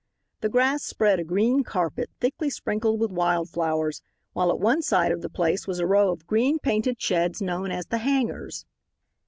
The grass spread a green carpet, thickly sprinkled with wild flowers, while at one side of the place was a row of green painted sheds known as the "hangars."